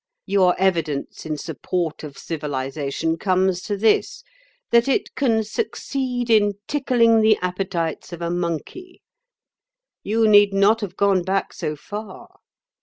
Your evidence in support of civilisation comes to this—that it can succeed in tickling the appetites of a monkey. You need not have gone back so far.